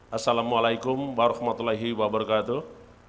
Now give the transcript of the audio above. assalamualaikum warahmatullahi wabarakatuh